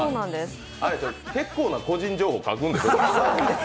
結構な個人情報書くんですね、意外と。